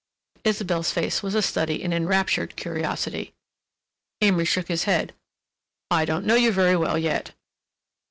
Isabelle's face was a study in enraptured curiosity. Amory shook his head. "I don't know you very well yet."